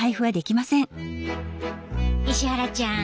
石原ちゃん。